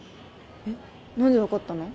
えっ何で分かったの？